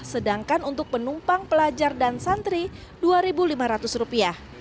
sedangkan untuk penumpang pelajar dan santri rp dua lima ratus